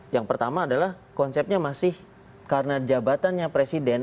yang pertama adalah konsepnya masih karena jabatannya presiden